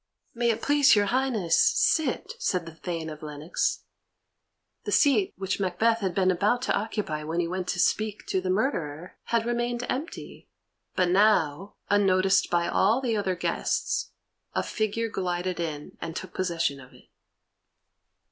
"May it please your highness sit," said the Thane of Lennox. The seat which Macbeth had been about to occupy when he went to speak to the murderer had remained empty, but now, unnoticed by all the other guests, a figure glided in and took possession of it.